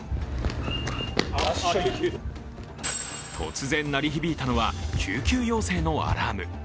突然、鳴り響いたのは救急要請のアラーム。